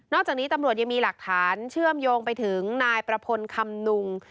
จากนี้ตำรวจยังมีหลักฐานเชื่อมโยงไปถึงนายประพลคำนุง